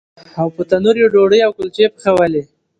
او په تنور یې ډوډۍ او کلچې پخولې.